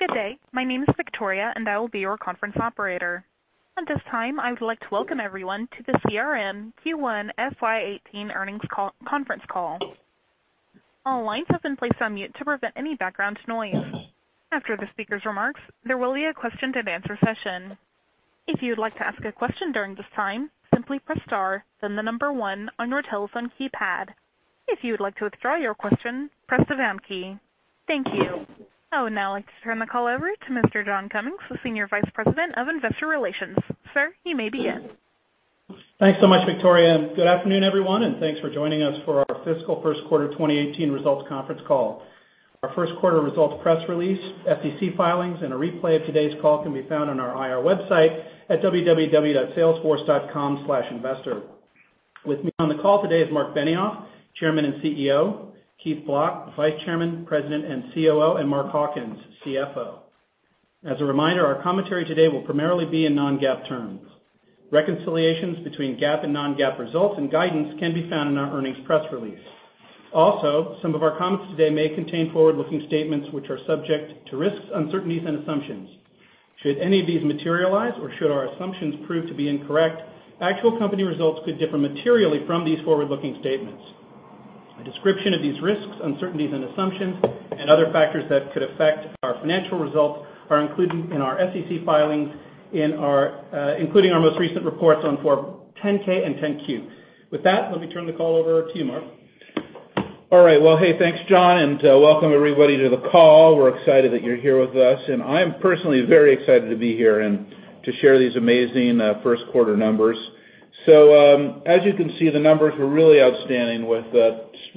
Good day. My name is Victoria, and I will be your conference operator. At this time, I would like to welcome everyone to the CRM Q1 FY 2018 earnings conference call. All lines have been placed on mute to prevent any background noise. After the speaker's remarks, there will be a question-and-answer session. If you would like to ask a question during this time, simply press star, then the number 1 on your telephone keypad. If you would like to withdraw your question, press the pound key. Thank you. I would now like to turn the call over to Mr. John Cummings, the Senior Vice President of Investor Relations. Sir, you may begin. Thanks so much, Victoria. Good afternoon, everyone, and thanks for joining us for our fiscal first quarter 2018 results conference call. Our first quarter results press release, SEC filings, and a replay of today's call can be found on our IR website at www.salesforce.com/investor. With me on the call today is Marc Benioff, Chairman and CEO, Keith Block, Vice Chairman, President, and COO, and Mark Hawkins, CFO. As a reminder, our commentary today will primarily be in non-GAAP terms. Reconciliations between GAAP and non-GAAP results and guidance can be found in our earnings press release. A description of these risks, uncertainties, and assumptions and other factors that could affect our financial results are included in our SEC filings, including our most recent reports on Form 10-K and 10-Q. With that, let me turn the call over to you, Marc. All right. Well, hey, thanks, John. Welcome, everybody, to the call. We're excited that you're here with us, and I'm personally very excited to be here and to share these amazing first quarter numbers. As you can see, the numbers were really outstanding, with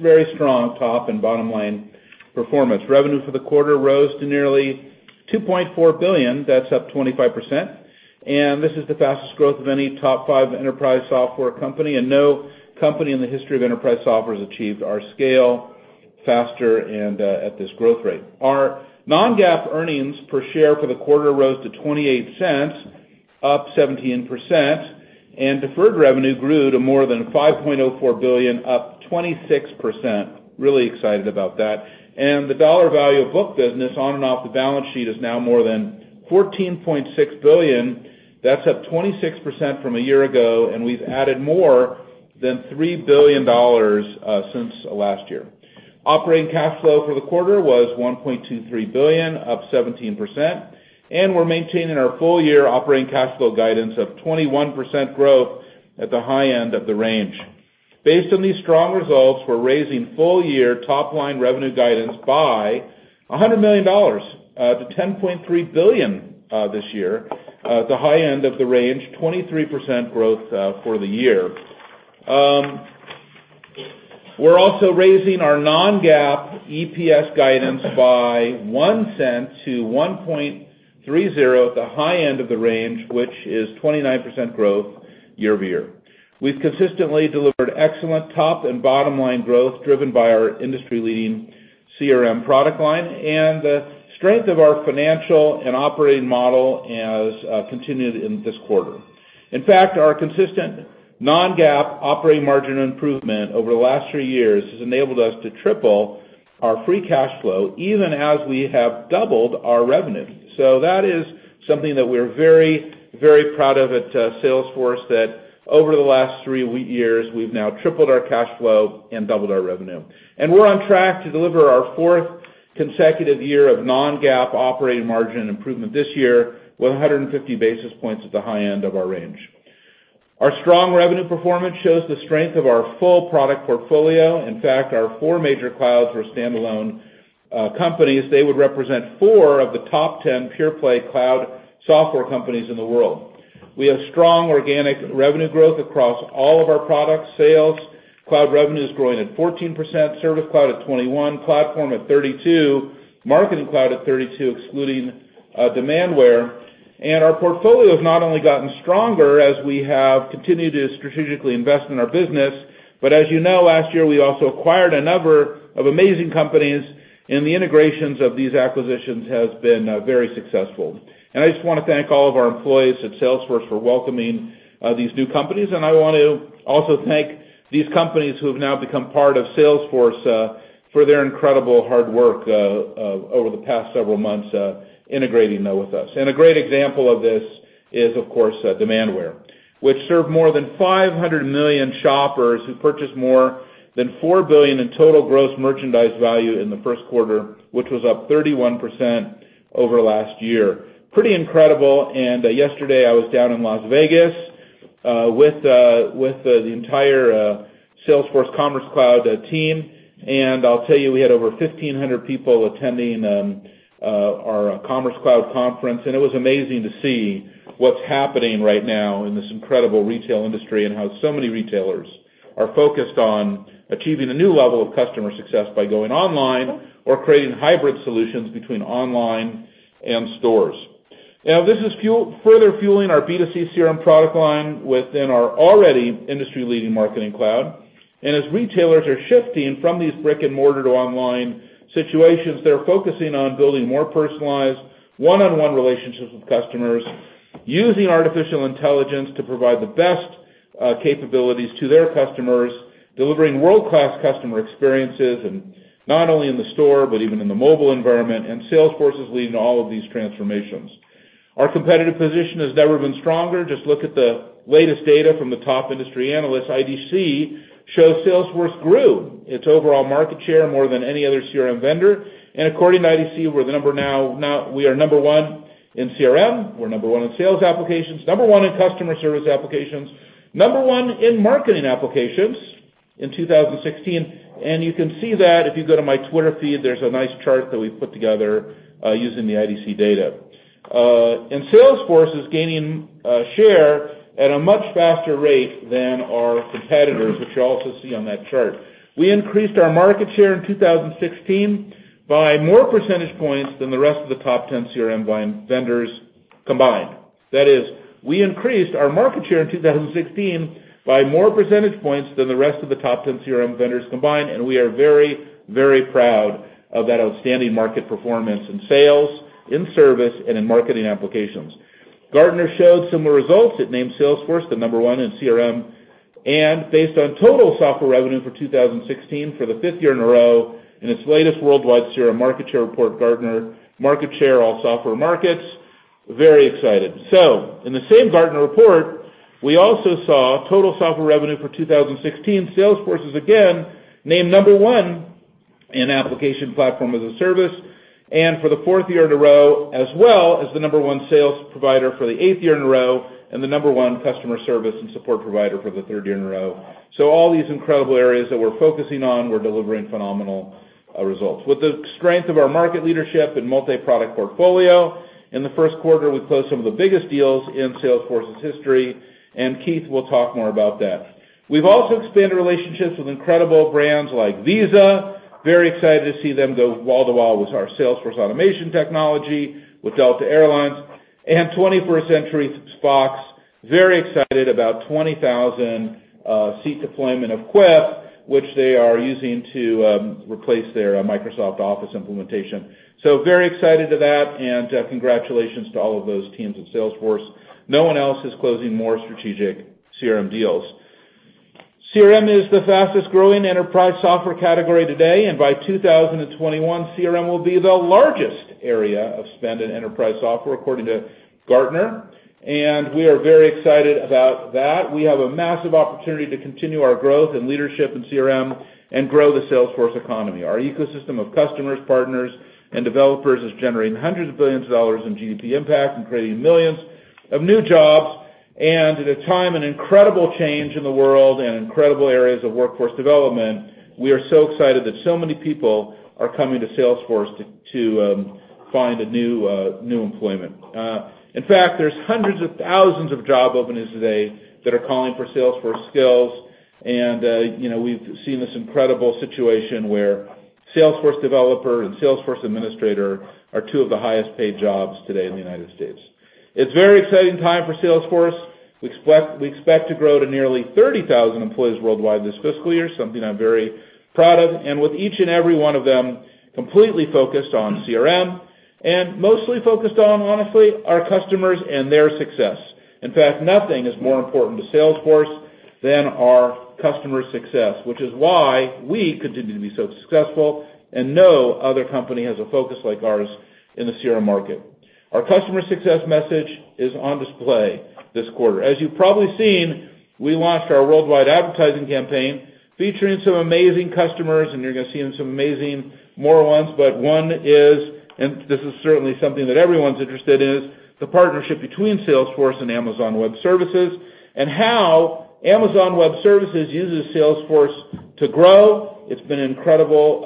very strong top and bottom-line performance. Revenue for the quarter rose to nearly $2.4 billion. That's up 25%, and this is the fastest growth of any top 5 enterprise software company, and no company in the history of enterprise software has achieved our scale faster and at this growth rate. Our non-GAAP earnings per share for the quarter rose to $0.28, up 17%, and deferred revenue grew to more than $5.04 billion, up 26%. Really excited about that. The dollar value of booked business on and off the balance sheet is now more than $14.6 billion. That's up 26% from a year ago, and we've added more than $3 billion since last year. Operating cash flow for the quarter was $1.23 billion, up 17%, and we're maintaining our full-year operating cash flow guidance of 21% growth at the high end of the range. Based on these strong results, we're raising full-year top-line revenue guidance by $100 million to $10.3 billion this year, at the high end of the range, 23% growth for the year. We're also raising our non-GAAP EPS guidance by $0.01 to $1.30 at the high end of the range, which is 29% growth year-over-year. We've consistently delivered excellent top and bottom-line growth, driven by our industry-leading CRM product line, and the strength of our financial and operating model has continued in this quarter. In fact, our consistent non-GAAP operating margin improvement over the last 3 years has enabled us to triple our free cash flow even as we have doubled our revenue. That is something that we're very, very proud of at Salesforce, that over the last 3 years, we've now tripled our cash flow and doubled our revenue. We're on track to deliver our 4th consecutive year of non-GAAP operating margin improvement this year, 150 basis points at the high end of our range. Our strong revenue performance shows the strength of our full product portfolio. In fact, our 4 major clouds were standalone companies. They would represent 4 of the top 10 pure-play cloud software companies in the world. We have strong organic revenue growth across all of our products. Sales Cloud revenue is growing at 14%, Service Cloud at 21%, Platform at 32%, Marketing Cloud at 32%, excluding Demandware. Our portfolio has not only gotten stronger as we have continued to strategically invest in our business, but as you know, last year, we also acquired a number of amazing companies, and the integrations of these acquisitions has been very successful. I just want to thank all of our employees at Salesforce for welcoming these new companies, and I want to also thank these companies who have now become part of Salesforce for their incredible hard work over the past several months integrating with us. A great example of this is, of course, Demandware, which served more than 500 million shoppers who purchased more than $4 billion in total gross merchandise value in the 1st quarter, which was up 31% over last year. Pretty incredible. Yesterday, I was down in Las Vegas with the entire Salesforce Commerce Cloud team, and I'll tell you, we had over 1,500 people attending our Commerce Cloud conference, and it was amazing to see what's happening right now in this incredible retail industry and how so many retailers are focused on achieving a new level of customer success by going online or creating hybrid solutions between online and stores. Now, this is further fueling our B2C CRM product line within our already industry-leading Marketing Cloud. As retailers are shifting from these brick-and-mortar to online situations, they're focusing on building more personalized one-on-one relationships with customers, using artificial intelligence to provide the best capabilities to their customers, delivering world-class customer experiences and not only in the store, but even in the mobile environment, and Salesforce is leading all of these transformations. Our competitive position has never been stronger. Just look at the latest data from the top industry analysts, IDC, shows Salesforce grew its overall market share more than any other CRM vendor. According to IDC, we are number one in CRM, we're number one in sales applications, number one in customer service applications, number one in marketing applications in 2016. You can see that if you go to my Twitter feed, there's a nice chart that we've put together, using the IDC data. Salesforce is gaining share at a much faster rate than our competitors, which you also see on that chart. We increased our market share in 2016 by more percentage points than the rest of the top 10 CRM vendors combined. That is, we increased our market share in 2016 by more percentage points than the rest of the top 10 CRM vendors combined, and we are very proud of that outstanding market performance in sales, in service, and in marketing applications. Gartner showed similar results. It named Salesforce the number one in CRM, and based on total software revenue for 2016 for the fifth year in a row, in its latest worldwide CRM market share report, Gartner market share all software markets, very excited. In the same Gartner report, we also saw total software revenue for 2016. Salesforce is again named number one in application platform as a service, and for the fourth year in a row, as well as the number one sales provider for the eighth year in a row, and the number one customer service and support provider for the third year in a row. All these incredible areas that we're focusing on, we're delivering phenomenal results. With the strength of our market leadership and multi-product portfolio, in the first quarter, we closed some of the biggest deals in Salesforce's history, and Keith will talk more about that. We've also expanded relationships with incredible brands like Visa. Very excited to see them go wall to wall with our Salesforce automation technology, with Delta Air Lines, and 21st Century Fox. Very excited about 20,000 seat deployment of Quip, which they are using to replace their Microsoft Office implementation. Very excited to that, and congratulations to all of those teams at Salesforce. No one else is closing more strategic CRM deals. CRM is the fastest growing enterprise software category today, and by 2021, CRM will be the largest area of spend in enterprise software, according to Gartner, and we are very excited about that. We have a massive opportunity to continue our growth and leadership in CRM and grow the Salesforce economy. Our ecosystem of customers, partners, and developers is generating hundreds of billions of dollars in GDP impact and creating millions of new jobs. At a time an incredible change in the world and incredible areas of workforce development, we are so excited that so many people are coming to Salesforce to find new employment. In fact, there's hundreds of thousands of job openings today that are calling for Salesforce skills, and we've seen this incredible situation where Salesforce developer and Salesforce administrator are two of the highest paid jobs today in the U.S. It's a very exciting time for Salesforce. We expect to grow to nearly 30,000 employees worldwide this fiscal year, something I'm very proud of. With each and every one of them completely focused on CRM and mostly focused on, honestly, our customers and their success. In fact, nothing is more important to Salesforce than our customers' success, which is why we continue to be so successful, and no other company has a focus like ours in the CRM market. Our customer success message is on display this quarter. As you've probably seen, we launched our worldwide advertising campaign featuring some amazing customers, and you're going to see some amazing ones. One is, and this is certainly something that everyone's interested in, is the partnership between Salesforce and Amazon Web Services, and how Amazon Web Services uses Salesforce to grow. It's been incredibly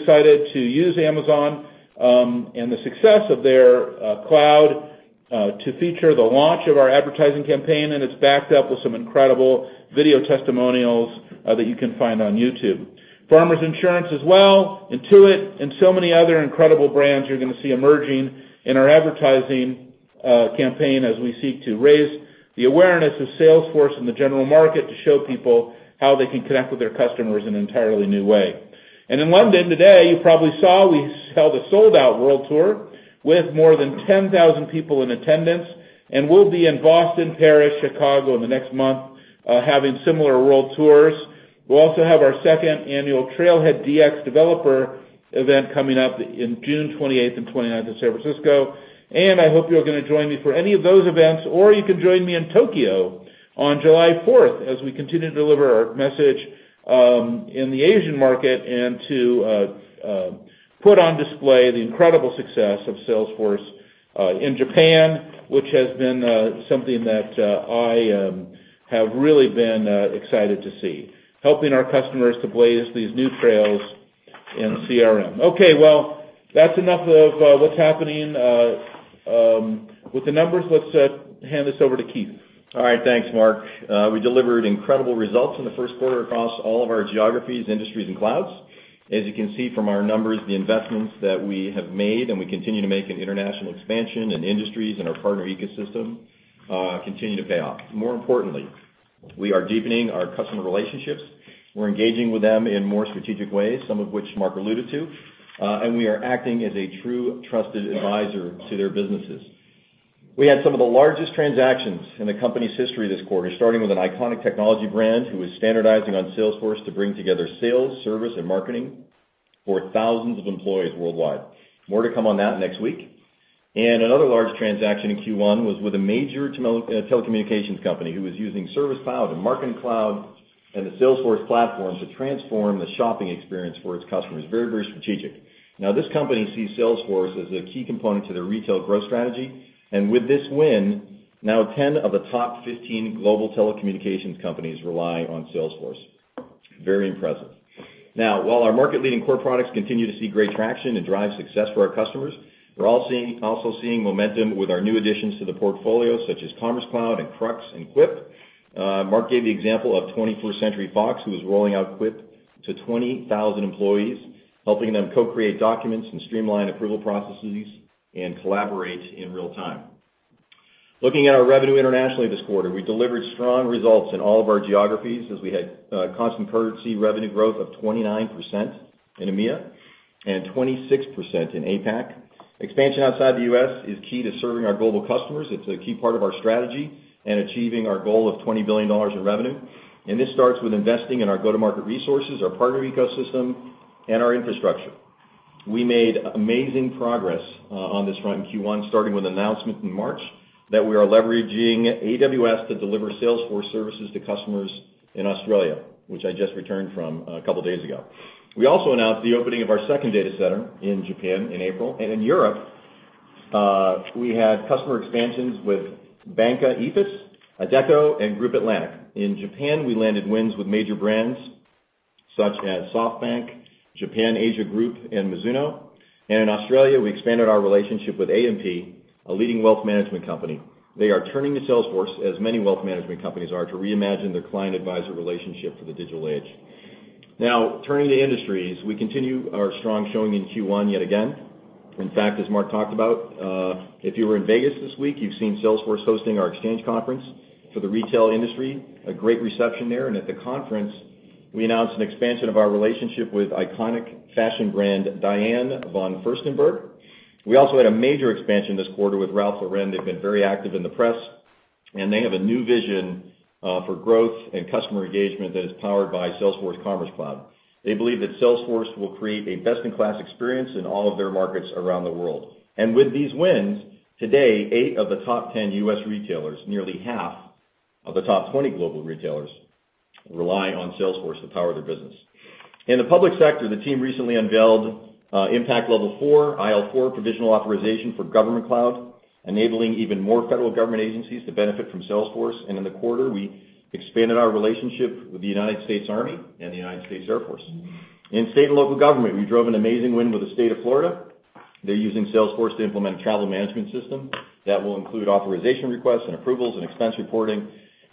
excited to use Amazon, and the success of their cloud, to feature the launch of our advertising campaign, and it's backed up with some incredible video testimonials that you can find on YouTube. Farmers Insurance as well, Intuit, and so many other incredible brands you're going to see emerging in our advertising campaign as we seek to raise the awareness of Salesforce in the general market to show people how they can connect with their customers in an entirely new way. In London today, you probably saw we held a sold-out World Tour with more than 10,000 people in attendance. We'll be in Boston, Paris, Chicago in the next month, having similar World Tours. We'll also have our second annual Trailhead DX developer event coming up in June 28th and 29th in San Francisco. I hope you're going to join me for any of those events, or you can join me in Tokyo on July 4th as we continue to deliver our message in the Asian market and to put on display the incredible success of Salesforce in Japan, which has been something that I have really been excited to see. Helping our customers to blaze these new trails in CRM. Okay, well, that's enough of what's happening. With the numbers, let's hand this over to Keith. All right. Thanks, Marc. We delivered incredible results in the first quarter across all of our geographies, industries, and clouds. As you can see from our numbers, the investments that we have made and we continue to make in international expansion and industries and our partner ecosystem, continue to pay off. We are deepening our customer relationships. We're engaging with them in more strategic ways, some of which Mark alluded to, and we are acting as a true trusted advisor to their businesses. We had some of the largest transactions in the company's history this quarter, starting with an iconic technology brand who is standardizing on Salesforce to bring together sales, service, and marketing for thousands of employees worldwide. More to come on that next week. Another large transaction in Q1 was with a major telecommunications company who is using Service Cloud and Marketing Cloud and the Salesforce platform to transform the shopping experience for its customers. Very strategic. This company sees Salesforce as a key component to their retail growth strategy, and with this win, 10 of the top 15 global telecommunications companies rely on Salesforce. Very impressive. While our market-leading core products continue to see great traction and drive success for our customers, we're also seeing momentum with our new additions to the portfolio, such as Commerce Cloud and Krux and Quip. Mark gave the example of 21st Century Fox, who is rolling out Quip to 20,000 employees, helping them co-create documents and streamline approval processes and collaborate in real time. Looking at our revenue internationally this quarter, we delivered strong results in all of our geographies, constant currency revenue growth of 29% in EMEA and 26% in APAC. Expansion outside the U.S. is key to serving our global customers. It's a key part of our strategy and achieving our goal of $20 billion in revenue. This starts with investing in our go-to-market resources, our partner ecosystem, and our infrastructure. We made amazing progress on this front in Q1, starting with an announcement in March that we are leveraging AWS to deliver Salesforce services to customers in Australia, which I just returned from a couple days ago. We also announced the opening of our second data center in Japan in April. In Europe, we had customer expansions with Banca Ifis, Adecco, and Groupe Atlantic. In Japan, we landed wins with major brands such as SoftBank, Japan Asia Group, and Mizuno. In Australia, we expanded our relationship with AMP, a leading wealth management company. They are turning to Salesforce, as many wealth management companies are, to reimagine their client-adviser relationship for the digital age. Turning to industries, we continue our strong showing in Q1 yet again. In fact, as Mark talked about, if you were in Vegas this week, you've seen Salesforce hosting our Exchange conference for the retail industry. A great reception there. At the conference, we announced an expansion of our relationship with iconic fashion brand Diane von Furstenberg. We also had a major expansion this quarter with Ralph Lauren. They've been very active in the press, and they have a new vision for growth and customer engagement that is powered by Salesforce Commerce Cloud. They believe that Salesforce will create a best-in-class experience in all of their markets around the world. With these wins, today, eight of the top 10 U.S. retailers, nearly half of the top 20 global retailers, rely on Salesforce to power their business. In the public sector, the team recently unveiled Impact Level 4, IL4, provisional authorization for Government Cloud, enabling even more federal government agencies to benefit from Salesforce. In the quarter, we expanded our relationship with the United States Army and the United States Air Force. In state and local government, we drove an amazing win with the state of Florida. They're using Salesforce to implement a travel management system that will include authorization requests and approvals and expense reporting.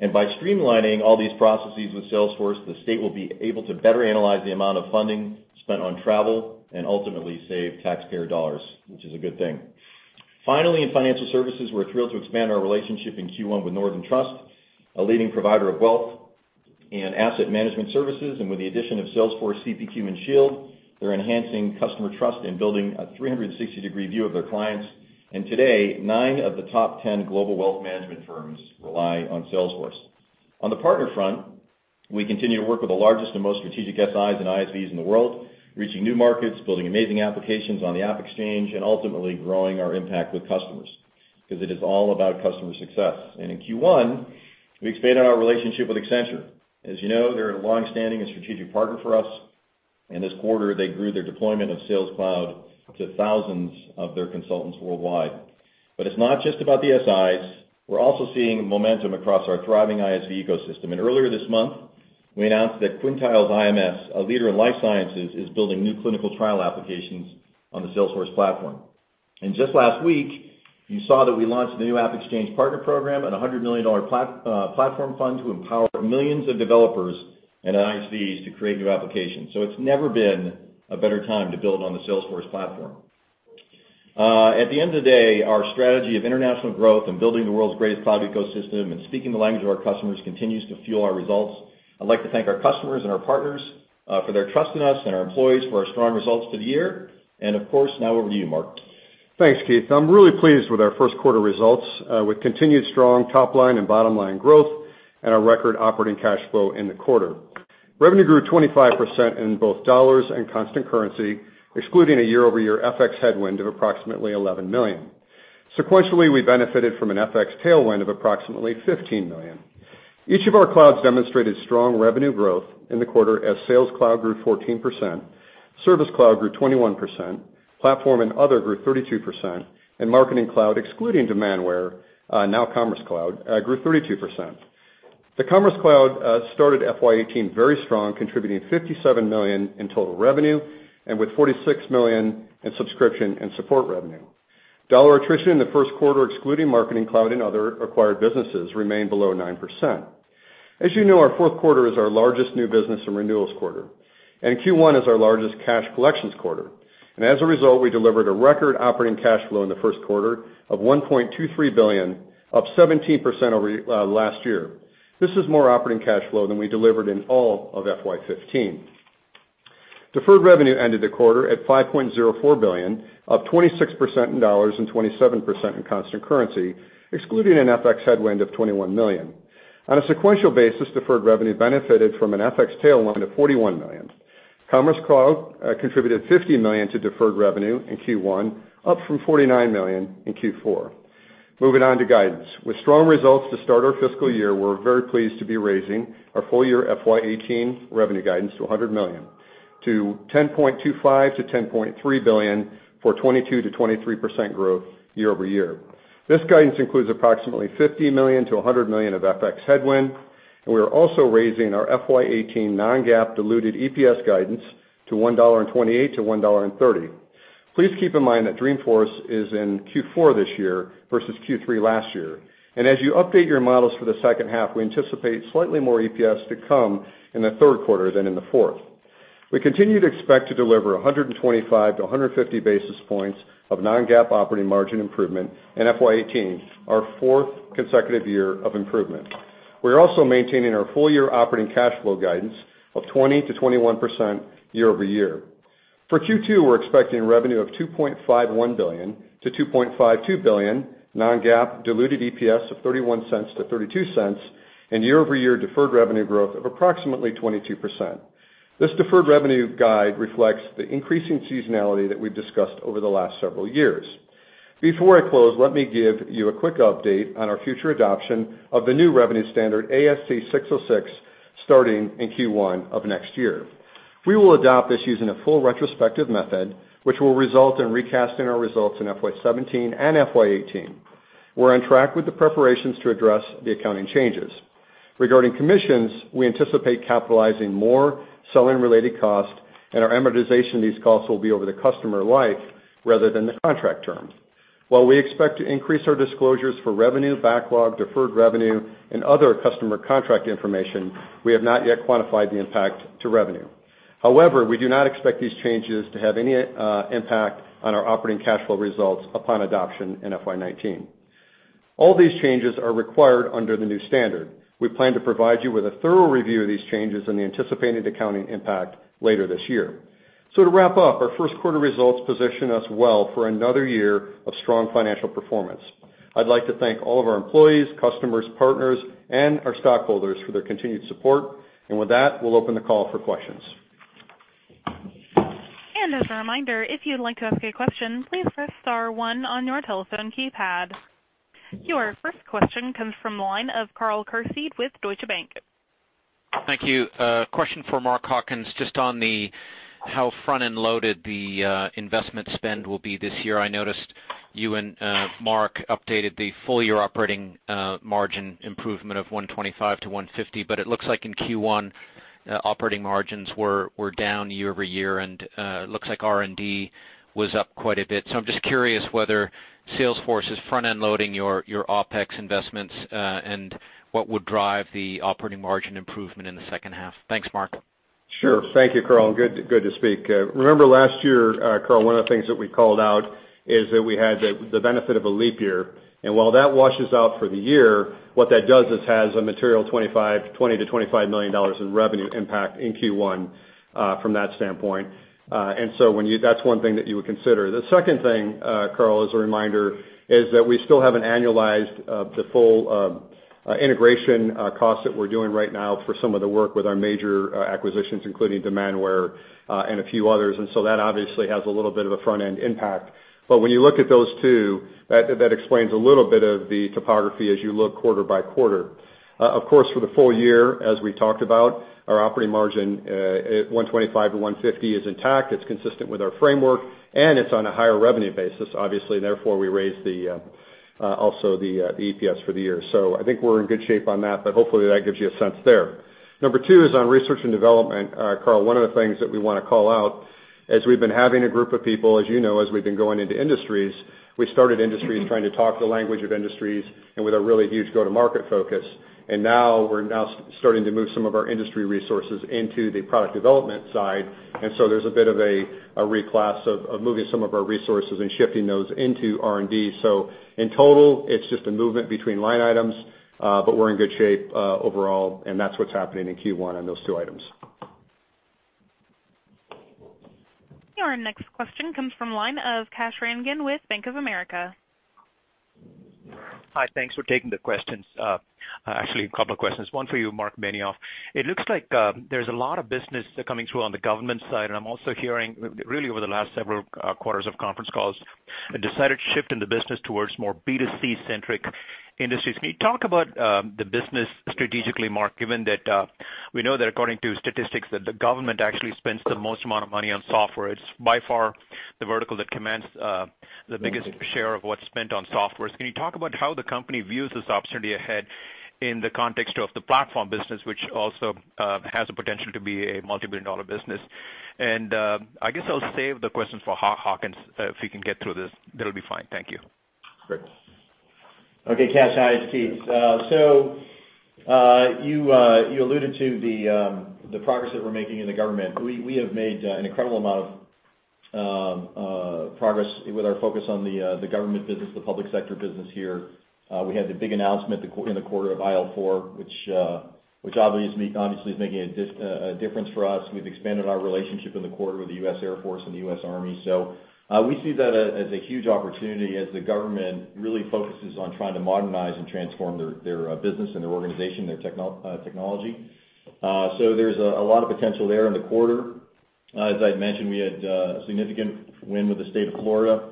By streamlining all these processes with Salesforce, the state will be able to better analyze the amount of funding spent on travel and ultimately save taxpayer dollars, which is a good thing. In financial services, we're thrilled to expand our relationship in Q1 with Northern Trust, a leading provider of wealth and asset management services. With the addition of Salesforce CPQ and Shield, they're enhancing customer trust and building a 360-degree view of their clients. Today, 9 of the top 10 global wealth management firms rely on Salesforce. On the partner front, we continue to work with the largest and most strategic SIs and ISVs in the world, reaching new markets, building amazing applications on the AppExchange, and ultimately growing our impact with customers, because it is all about customer success. In Q1, we expanded our relationship with Accenture. As you know, they're a longstanding and strategic partner for us. This quarter, they grew their deployment of Sales Cloud to thousands of their consultants worldwide. It's not just about the SIs. We're also seeing momentum across our thriving ISV ecosystem. Earlier this month, we announced that QuintilesIMS, a leader in life sciences, is building new clinical trial applications on the Salesforce platform. Just last week, you saw that we launched a new AppExchange partner program and a $100 million platform fund to empower millions of developers and ISVs to create new applications. It's never been a better time to build on the Salesforce platform. At the end of the day, our strategy of international growth and building the world's greatest cloud ecosystem and speaking the language of our customers continues to fuel our results. I'd like to thank our customers and our partners for their trust in us and our employees for our strong results for the year. Of course, now over to you, Mark. Thanks, Keith. I'm really pleased with our first quarter results, with continued strong top-line and bottom-line growth and our record operating cash flow in the quarter. Revenue grew 25% in both dollars and constant currency, excluding a year-over-year FX headwind of approximately $11 million. Sequentially, we benefited from an FX tailwind of approximately $15 million. Each of our clouds demonstrated strong revenue growth in the quarter, as Sales Cloud grew 14%, Service Cloud grew 21%, Platform and Other grew 32%, Marketing Cloud, excluding Demandware, now Commerce Cloud, grew 32%. The Commerce Cloud started FY 2018 very strong, contributing $57 million in total revenue and with $46 million in subscription and support revenue. Dollar attrition in the first quarter, excluding Marketing Cloud and other acquired businesses, remained below 9%. As you know, our fourth quarter is our largest new business and renewals quarter, Q1 is our largest cash collections quarter. As a result, we delivered a record operating cash flow in the first quarter of $1.23 billion, up 17% over last year. This is more operating cash flow than we delivered in all of FY 2015. Deferred revenue ended the quarter at $5.04 billion, up 26% in dollars and 27% in constant currency, excluding an FX headwind of $21 million. On a sequential basis, deferred revenue benefited from an FX tailwind of $41 million. Commerce Cloud contributed $50 million to deferred revenue in Q1, up from $49 million in Q4. Moving on to guidance. With strong results to start our fiscal year, we're very pleased to be raising our full-year FY 2018 revenue guidance to $100 million, to $10.25 billion-$10.3 billion for 22%-23% growth year-over-year. This guidance includes approximately $50 million-$100 million of FX headwind. We are also raising our FY 2018 non-GAAP diluted EPS guidance to $1.28-$1.30. Please keep in mind that Dreamforce is in Q4 this year versus Q3 last year. As you update your models for the second half, we anticipate slightly more EPS to come in the third quarter than in the fourth. We continue to expect to deliver 125 to 150 basis points of non-GAAP operating margin improvement in FY 2018, our fourth consecutive year of improvement. We're also maintaining our full-year operating cash flow guidance of 20%-21% year-over-year. For Q2, we're expecting revenue of $2.51 billion-$2.52 billion, non-GAAP diluted EPS of $0.31-$0.32, and year-over-year deferred revenue growth of approximately 22%. This deferred revenue guide reflects the increasing seasonality that we've discussed over the last several years. Before I close, let me give you a quick update on our future adoption of the new revenue standard, ASC 606, starting in Q1 of next year. We will adopt this using a full retrospective method, which will result in recasting our results in FY 2017 and FY 2018. We're on track with the preparations to address the accounting changes. Regarding commissions, we anticipate capitalizing more sell-in related costs. Our amortization of these costs will be over the customer life rather than the contract term. While we expect to increase our disclosures for revenue backlog, deferred revenue, and other customer contract information, we have not yet quantified the impact to revenue. However, we do not expect these changes to have any impact on our operating cash flow results upon adoption in FY 2019. All these changes are required under the new standard. We plan to provide you with a thorough review of these changes and the anticipated accounting impact later this year. To wrap up, our first quarter results position us well for another year of strong financial performance. I'd like to thank all of our employees, customers, partners, and our stockholders for their continued support. With that, we'll open the call for questions. As a reminder, if you'd like to ask a question, please press star one on your telephone keypad. Your first question comes from the line of Karl Keirstead with Deutsche Bank. Thank you. Question for Mark Hawkins, just on how front-end loaded the investment spend will be this year. I noticed you and Mark updated the full-year operating margin improvement of 125-150, but it looks like in Q1, operating margins were down year-over-year, and it looks like R&D was up quite a bit. I'm just curious whether Salesforce is front-end loading your OpEx investments, and what would drive the operating margin improvement in the second half. Thanks, Mark. Sure. Thank you, Karl, and good to speak. Remember last year, Karl, one of the things that we called out is that we had the benefit of a leap year. While that washes out for the year, what that does is has a material $20 million-$25 million in revenue impact in Q1 from that standpoint. That's one thing that you would consider. The second thing, Karl, as a reminder, is that we still haven't annualized the full integration cost that we're doing right now for some of the work with our major acquisitions, including Demandware, and a few others, so that obviously has a little bit of a front-end impact. When you look at those two, that explains a little bit of the topography as you look quarter by quarter. Of course, for the full year, as we talked about, our operating margin at 125-150 is intact, it's consistent with our framework, and it's on a higher revenue basis, obviously, therefore, we raised also the EPS for the year. I think we're in good shape on that, but hopefully that gives you a sense there. Number two is on research and development, Karl. One of the things that we want to call out, as we've been having a group of people, as you know, as we've been going into industries, we started industries trying to talk the language of industries and with a really huge go-to-market focus. Now we're now starting to move some of our industry resources into the product development side. There's a bit of a reclass of moving some of our resources and shifting those into R&D. In total, it's just a movement between line items, but we're in good shape overall, and that's what's happening in Q1 on those two items. Your next question comes from the line of Kash Rangan with Bank of America. Hi. Thanks for taking the questions. Actually, a couple of questions. One for you, Marc Benioff. It looks like there's a lot of business coming through on the government side, and I'm also hearing really over the last several quarters of conference calls, a decided shift in the business towards more B2C-centric industries. Can you talk about the business strategically, Mark? Given that we know that according to statistics, that the government actually spends the most amount of money on software. It's by far the vertical that commands the biggest share of what's spent on software. Can you talk about how the company views this opportunity ahead in the context of the platform business, which also has the potential to be a multibillion-dollar business? I guess I'll save the questions for Mark Hawkins, if you can get through this. That'll be fine. Thank you. Great. Okay, Kash. Hi, it's Keith. You alluded to the progress that we're making in the government. We have made an incredible amount of progress with our focus on the government business, the public sector business here. We had the big announcement in the quarter of IL4, which obviously is making a difference for us. We've expanded our relationship in the quarter with the U.S. Air Force and the U.S. Army. We see that as a huge opportunity as the government really focuses on trying to modernize and transform their business and their organization, their technology. There's a lot of potential there in the quarter. As I'd mentioned, we had a significant win with the state of Florida.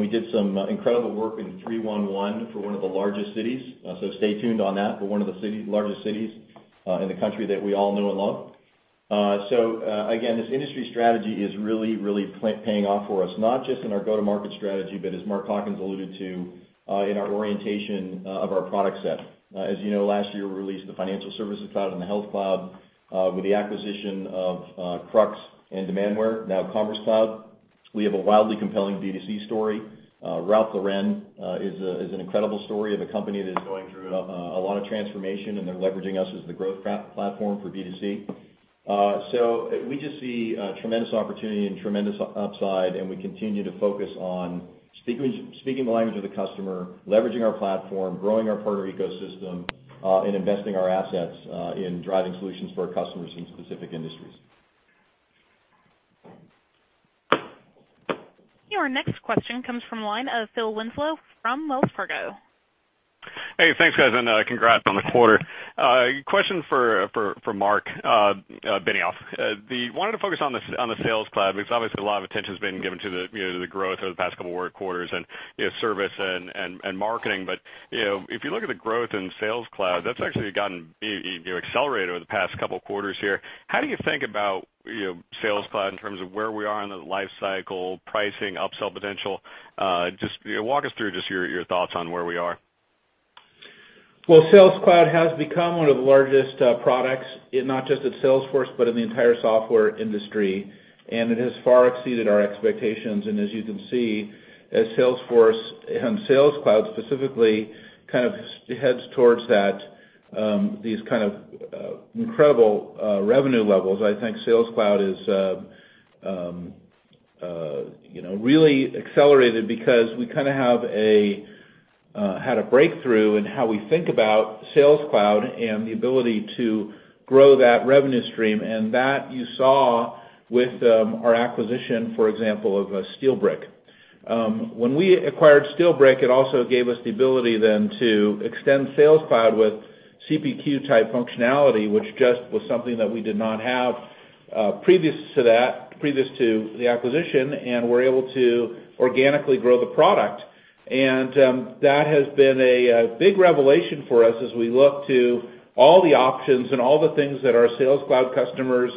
We did some incredible work in 311 for one of the largest cities. Stay tuned on that, for one of the largest cities in the country that we all know and love. Again, this industry strategy is really paying off for us, not just in our go-to-market strategy, but as Mark Hawkins alluded to, in our orientation of our product set. As you know, last year, we released the Financial Services Cloud and the Health Cloud, with the acquisition of Krux and Demandware, now Commerce Cloud. We have a wildly compelling B2C story. Ralph Lauren is an incredible story of a company that is going through a lot of transformation, and they're leveraging us as the growth platform for B2C. We just see tremendous opportunity and tremendous upside, and we continue to focus on speaking the language of the customer, leveraging our platform, growing our partner ecosystem, and investing our assets in driving solutions for our customers in specific industries. Your next question comes from the line of Philip Winslow from Wells Fargo. Hey, thanks, guys, congrats on the quarter. Question for Marc Benioff. Wanted to focus on the Sales Cloud, because obviously, a lot of attention's been given to the growth over the past couple of quarters, and Service and Marketing. If you look at the growth in Sales Cloud, that's actually accelerated over the past couple of quarters here. How do you think about Sales Cloud in terms of where we are in the lifecycle, pricing, upsell potential? Just walk us through your thoughts on where we are. Well, Sales Cloud has become one of the largest products, not just at Salesforce, but in the entire software industry. It has far exceeded our expectations. As you can see, as Salesforce, and Sales Cloud specifically, kind of heads towards these kind of incredible revenue levels, I think Sales Cloud has really accelerated because we kind of had a breakthrough in how we think about Sales Cloud and the ability to grow that revenue stream. That you saw with our acquisition, for example, of SteelBrick. When we acquired SteelBrick, it also gave us the ability then to extend Sales Cloud with CPQ-type functionality, which just was something that we did not have previous to the acquisition. We're able to organically grow the product. That has been a big revelation for us as we look to all the options and all the things that our Sales Cloud customers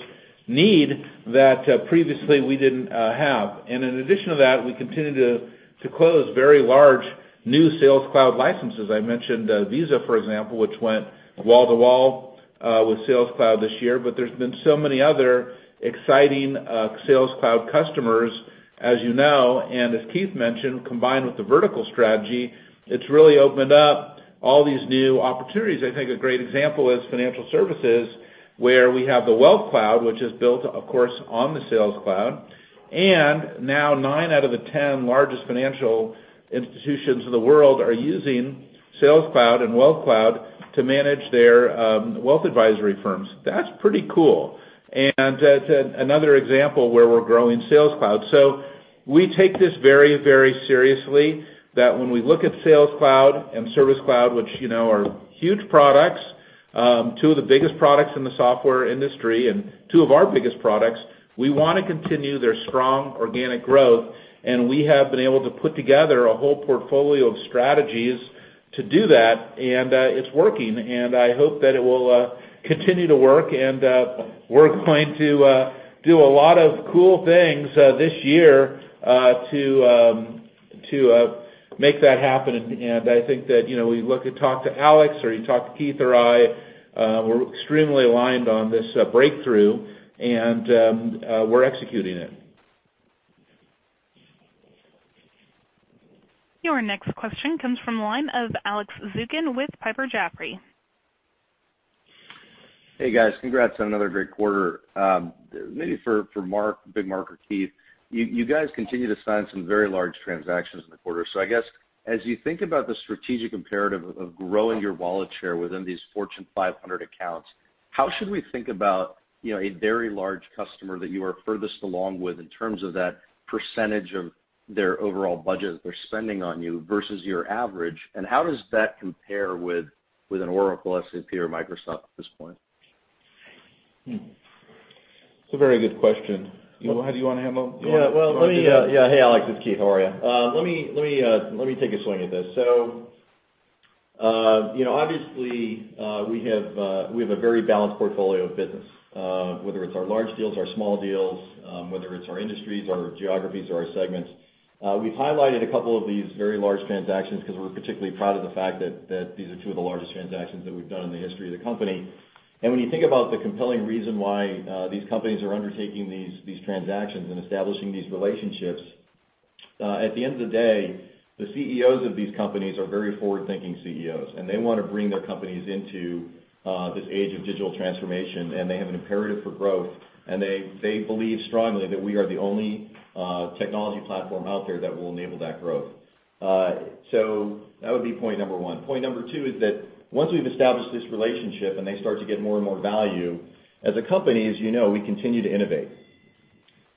need that previously we didn't have. In addition to that, we continue to close very large new Sales Cloud licenses. I mentioned Visa, for example, which went wall to wall with Sales Cloud this year. There's been so many other exciting Sales Cloud customers, as you know, and as Keith mentioned, combined with the vertical strategy, it's really opened up all these new opportunities. I think a great example is financial services, where we have the Wealth Cloud, which is built, of course, on the Sales Cloud. Now nine out of the 10 largest financial institutions in the world are using Sales Cloud and Wealth Cloud to manage their wealth advisory firms. That's pretty cool. That's another example where we're growing Sales Cloud. We take this very seriously, that when we look at Sales Cloud and Service Cloud, which are huge products, two of the biggest products in the software industry and two of our biggest products, we want to continue their strong organic growth. We have been able to put together a whole portfolio of strategies to do that, and it's working. I hope that it will continue to work, and we're going to do a lot of cool things this year to make that happen. I think that when you talk to Alex, or you talk to Keith or I, we're extremely aligned on this breakthrough, and we're executing it. Your next question comes from the line of Alex Zukin with Piper Jaffray. Hey, guys. Congrats on another great quarter. Maybe for Marc, Big Marc, or Keith, you guys continue to sign some very large transactions in the quarter. I guess, as you think about the strategic imperative of growing your wallet share within these Fortune 500 accounts, how should we think about a very large customer that you are furthest along with in terms of that percentage of their overall budget they're spending on you versus your average, and how does that compare with an Oracle, SAP, or Microsoft at this point? It's a very good question. Do you want to handle-- Well, Hey, Alex. It's Keith. How are you? Let me take a swing at this. Obviously, we have a very balanced portfolio of business, whether it's our large deals, our small deals, whether it's our industries, our geographies, or our segments. We've highlighted a couple of these very large transactions because we're particularly proud of the fact that these are two of the largest transactions that we've done in the history of the company. When you think about the compelling reason why these companies are undertaking these transactions and establishing these relationships At the end of the day, the CEOs of these companies are very forward-thinking CEOs, and they want to bring their companies into this age of digital transformation, and they have an imperative for growth. They believe strongly that we are the only technology platform out there that will enable that growth. That would be point number 1. Point number 2 is that once we've established this relationship and they start to get more and more value, as a company, as you know, we continue to innovate.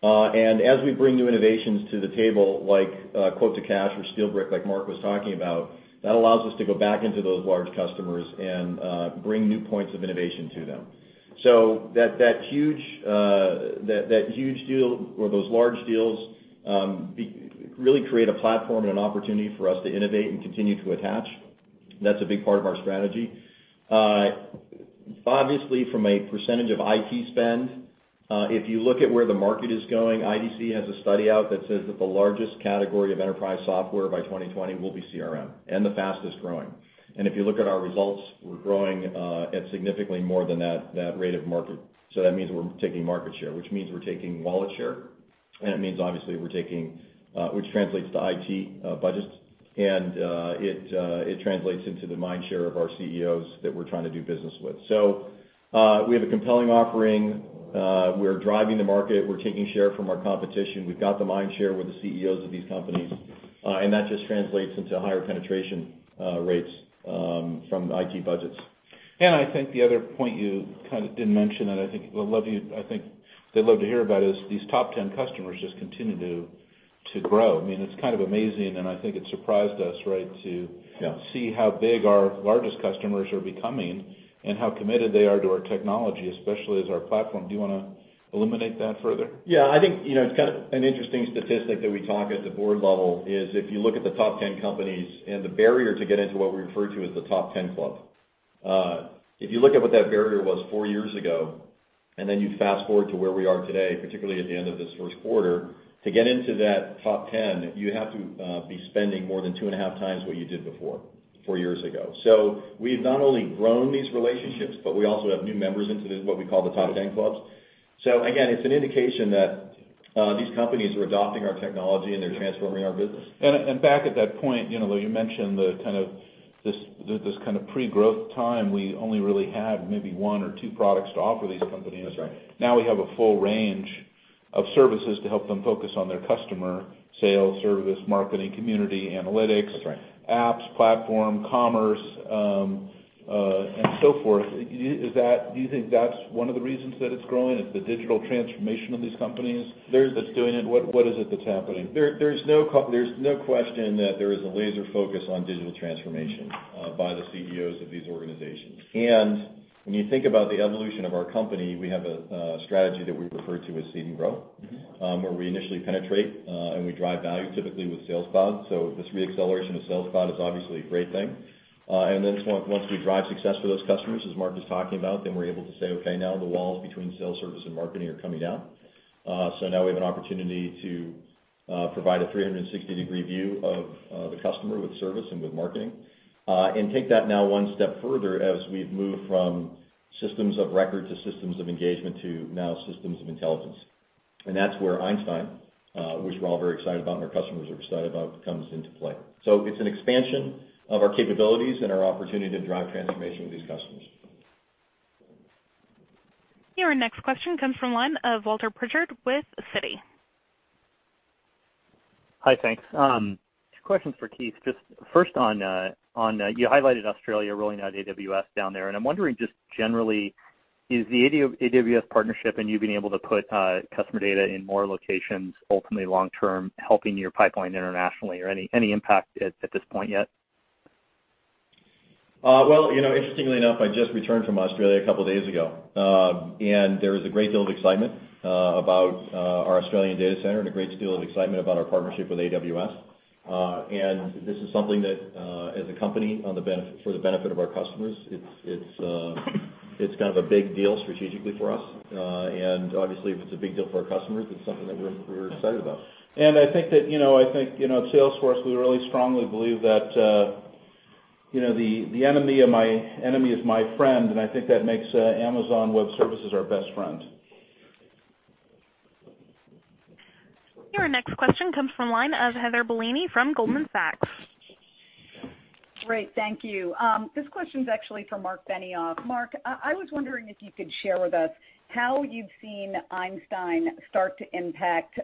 As we bring new innovations to the table, like Quote to Cash or SteelBrick like Mark was talking about, that allows us to go back into those large customers and bring new points of innovation to them. That huge deal, or those large deals, really create a platform and an opportunity for us to innovate and continue to attach. That's a big part of our strategy. Obviously, from a percentage of IT spend, if you look at where the market is going, IDC has a study out that says that the largest category of enterprise software by 2020 will be CRM, and the fastest-growing. If you look at our results, we're growing at significantly more than that rate of market. That means we're taking market share, which means we're taking wallet share, which translates to IT budgets, and it translates into the mind share of our CEOs that we're trying to do business with. We have a compelling offering. We're driving the market. We're taking share from our competition. We've got the mind share with the CEOs of these companies, and that just translates into higher penetration rates from IT budgets. I think the other point you didn't mention that I think they'd love to hear about is these top 10 customers just continue to grow. It's kind of amazing, and I think it surprised us, right? Yeah. To see how big our largest customers are becoming and how committed they are to our technology, especially as our platform. Do you want to illuminate that further? Yeah. I think, it's kind of an interesting statistic that we talk at the board level is if you look at the top 10 companies, and the barrier to get into what we refer to as the top 10 club. If you look at what that barrier was four years ago, then you fast-forward to where we are today, particularly at the end of this first quarter, to get into that top 10, you have to be spending more than two and a half times what you did before, four years ago. We've not only grown these relationships, but we also have new members into what we call the top 10 clubs. Again, it's an indication that these companies are adopting our technology, and they're transforming our business. Back at that point, you mentioned this kind of pre-growth time, we only really had maybe one or two products to offer these companies. That's right. Now we have a full range of services to help them focus on their customer, sales, service, marketing, community, analytics. That's right. apps, platform, commerce, so forth. Do you think that's one of the reasons that it's growing, is the digital transformation of these companies that's doing it? What is it that's happening? There's no question that there is a laser focus on digital transformation by the CEOs of these organizations. When you think about the evolution of our company, we have a strategy that we refer to as seed and grow, where we initially penetrate, and we drive value typically with Sales Cloud. This re-acceleration of Sales Cloud is obviously a great thing. Once we drive success for those customers, as Mark was talking about, then we're able to say, okay, now the walls between sales, service, and marketing are coming down. Now we have an opportunity to provide a 360-degree view of the customer with service and with marketing, and take that now one step further as we've moved from systems of record, to systems of engagement, to now systems of intelligence. That's where Einstein, which we're all very excited about and our customers are excited about, comes into play. It's an expansion of our capabilities and our opportunity to drive transformation with these customers. Your next question comes from the line of Walter Pritchard with Citi. Hi, thanks. Two questions for Keith. Just first on, you highlighted Australia rolling out AWS down there, and I'm wondering just generally, is the AWS partnership and you being able to put customer data in more locations, ultimately long-term, helping your pipeline internationally? Or any impact at this point yet? Well, interestingly enough, I just returned from Australia a couple of days ago. There is a great deal of excitement about our Australian data center and a great deal of excitement about our partnership with AWS. This is something that, as a company, for the benefit of our customers, it's kind of a big deal strategically for us. Obviously, if it's a big deal for our customers, it's something that we're excited about. I think at Salesforce, we really strongly believe that the enemy of my enemy is my friend, and I think that makes Amazon Web Services our best friend. Your next question comes from the line of Heather Bellini from Goldman Sachs. Great. Thank you. This question's actually for Marc Benioff. Marc, I was wondering if you could share with us how you've seen Einstein start to impact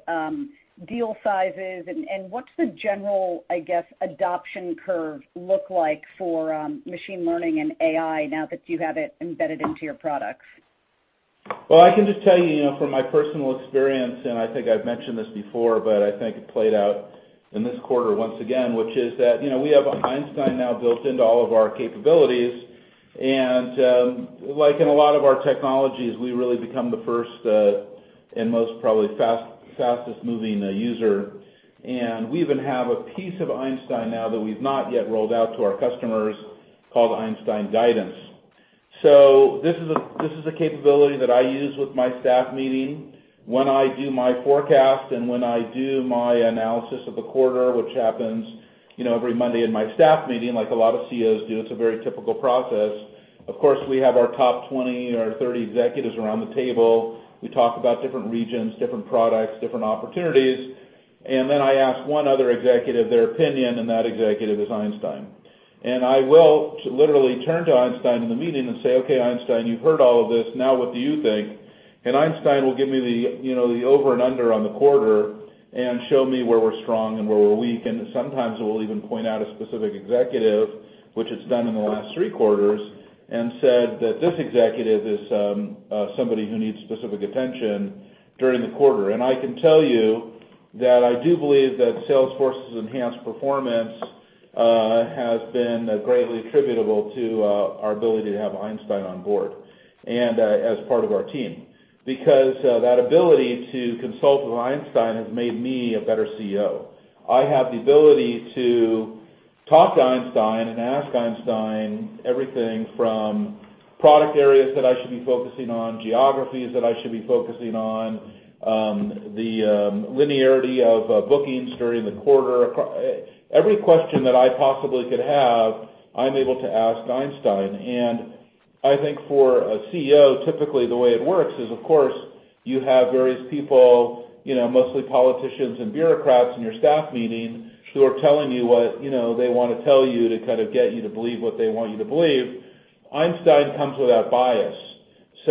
deal sizes, and what's the general, I guess, adoption curve look like for machine learning and AI now that you have it embedded into your products? Well, I can just tell you from my personal experience, I think I've mentioned this before, I think it played out in this quarter once again, which is that we have Einstein now built into all of our capabilities. Like in a lot of our technologies, we really become the first, and most probably fastest-moving user. We even have a piece of Einstein now that we've not yet rolled out to our customers called Einstein Guidance. This is a capability that I use with my staff meeting when I do my forecast and when I do my analysis of the quarter, which happens every Monday in my staff meeting, like a lot of CEOs do. It's a very typical process. Of course, we have our top 20 or 30 executives around the table. We talk about different regions, different products, different opportunities. Then I ask one other executive their opinion, and that executive is Einstein. I will literally turn to Einstein in the meeting and say, "Okay, Einstein, you've heard all of this. Now what do you think?" Einstein will give me the over and under on the quarter and show me where we're strong and where we're weak, and sometimes it will even point out a specific executive, which it's done in the last three quarters, and said that this executive is somebody who needs specific attention during the quarter. I can tell you that I do believe that Salesforce's enhanced performance has been greatly attributable to our ability to have Einstein on board and as part of our team, because that ability to consult with Einstein has made me a better CEO. I have the ability to talk to Einstein and ask Einstein everything from product areas that I should be focusing on, geographies that I should be focusing on, the linearity of bookings during the quarter. Every question that I possibly could have, I'm able to ask Einstein. I think for a CEO, typically the way it works is, of course, you have various people, mostly politicians and bureaucrats in your staff meetings who are telling you what they want to tell you to get you to believe what they want you to believe. Einstein comes without bias,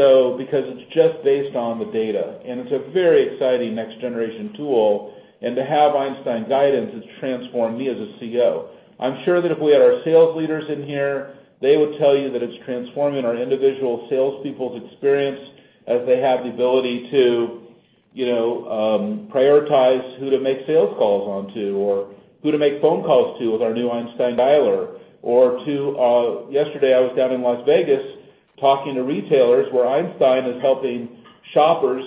because it's just based on the data, and it's a very exciting next-generation tool. To have Einstein Guidance has transformed me as a CEO. I'm sure that if we had our sales leaders in here, they would tell you that it's transforming our individual salespeople's experience as they have the ability to prioritize who to make sales calls onto, or who to make phone calls to with our new Lightning Dialer. Yesterday, I was down in Las Vegas talking to retailers where Einstein is helping shoppers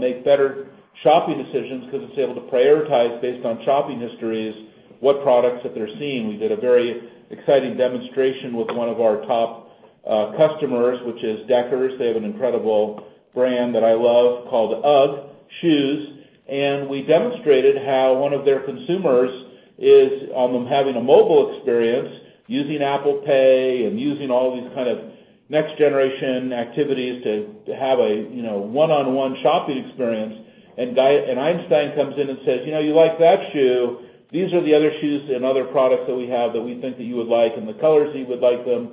make better shopping decisions because it's able to prioritize based on shopping histories what products that they're seeing. We did a very exciting demonstration with one of our top customers, which is Deckers. They have an incredible brand that I love called UGG shoes. We demonstrated how one of their consumers is having a mobile experience using Apple Pay and using all these next-generation activities to have a one-on-one shopping experience. Einstein comes in and says, "You like that shoe. These are the other shoes and other products that we have that we think that you would like and the colors you would like them.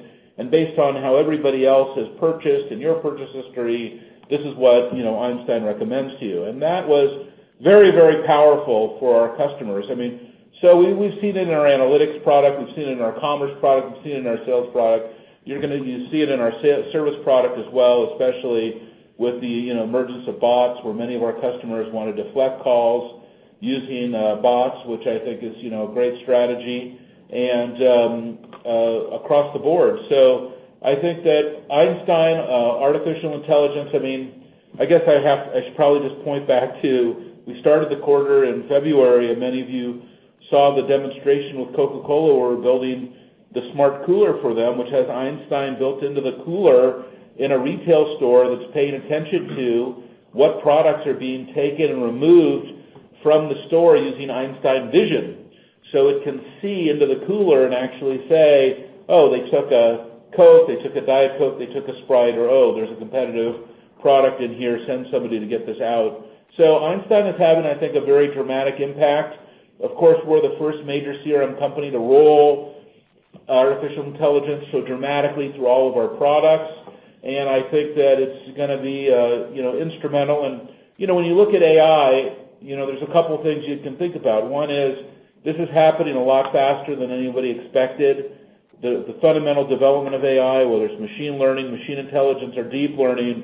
Based on how everybody else has purchased and your purchase history, this is what Einstein recommends to you." That was very powerful for our customers. We've seen it in our analytics product, we've seen it in our commerce product, we've seen it in our sales product. You're going to see it in our service product as well, especially with the emergence of bots, where many of our customers want to deflect calls using bots, which I think is a great strategy, and across the board. I think that Einstein, artificial intelligence, I should probably just point back to, we started the quarter in February, and many of you saw the demonstration with Coca-Cola. We're building the smart cooler for them, which has Einstein built into the cooler in a retail store that's paying attention to what products are being taken and removed from the store using Einstein Vision. It can see into the cooler and actually say, "Oh, they took a Coke, they took a Diet Coke, they took a Sprite," or, "Oh, there's a competitive product in here. Send somebody to get this out." Einstein is having, I think, a very dramatic impact. Of course, we're the first major CRM company to roll artificial intelligence so dramatically through all of our products. I think that it's going to be instrumental. When you look at AI, there's a couple things you can think about. One is, this is happening a lot faster than anybody expected. The fundamental development of AI, whether it's machine learning, machine intelligence, or deep learning,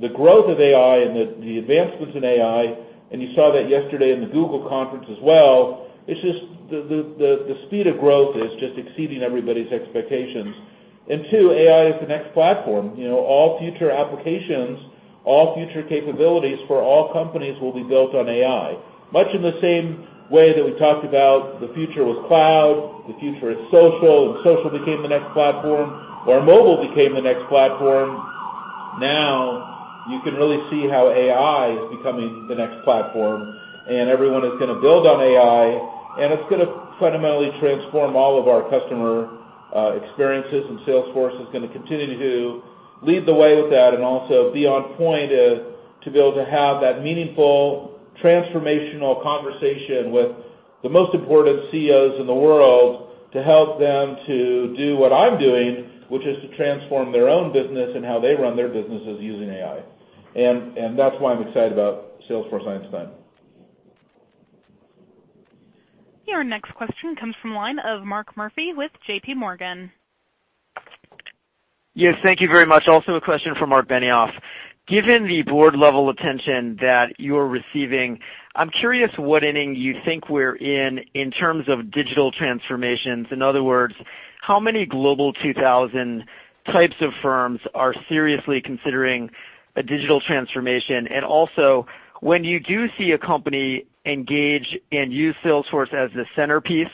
the growth of AI and the advancements in AI, you saw that yesterday in the Google conference as well, the speed of growth is just exceeding everybody's expectations. 2, AI is the next platform. All future applications, all future capabilities for all companies will be built on AI, much in the same way that we talked about the future was cloud, the future is social became the next platform, or mobile became the next platform. You can really see how AI is becoming the next platform, everyone is going to build on AI, it's going to fundamentally transform all of our customer experiences, Salesforce is going to continue to lead the way with that and also be on point to be able to have that meaningful, transformational conversation with the most important CEOs in the world to help them to do what I'm doing, which is to transform their own business and how they run their businesses using AI. That's why I'm excited about Salesforce Einstein. Your next question comes from the line of Mark Murphy with JPMorgan. Yes, thank you very much. Also, a question for Marc Benioff. Given the board level attention that you're receiving, I'm curious what inning you think we're in terms of digital transformations. In other words, how many Global 2000 types of firms are seriously considering a digital transformation? Also, when you do see a company engage and use Salesforce as the centerpiece